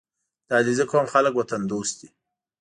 • د علیزي قوم خلک وطن دوست دي.